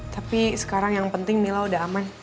tapi sekarang yang penting mila udah aman